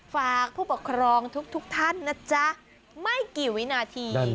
ฝากผู้ปกครองทุกท่านนะจ๊ะไม่กี่วินาที